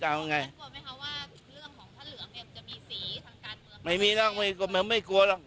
จะเอาไงแกกลัวไหมคะว่าเรื่องของท่าเหลืองเนี่ยมันจะมีสีทั้งการ